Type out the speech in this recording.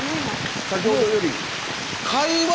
先ほどより。